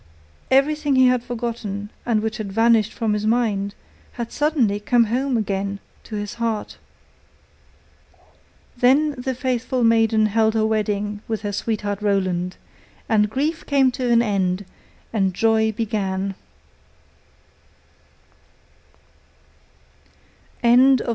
Everything he had forgotten, and which had vanished from his mind, had suddenly come home again to his heart. Then the faithful maiden held her wedding with her sweetheart Roland, and grief came to an end and joy began.